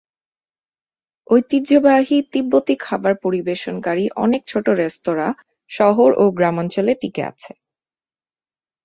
ঐতিহ্যবাহী তিব্বতী খাবার পরিবেশনকারী অনেক ছোটো রেস্তোরাঁ শহর ও গ্রামাঞ্চলে টিকে আছে।